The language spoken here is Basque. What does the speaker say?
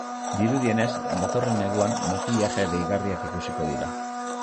Dirudienez, datorren neguan makillaje deigarriak ikusiko dira.